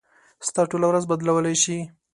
ستا ټوله ورځ بدلولی شي.